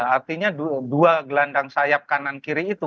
artinya dua gelandang sayap kanan kiri itu